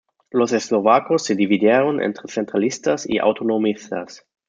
Los eslovacos se dividieron entre centralistas y autonomistas.